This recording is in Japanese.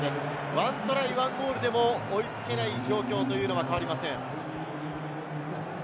１トライ１ゴールでも追いつけない状況は変わりません。